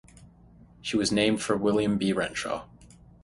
She was named for William B. Renshaw.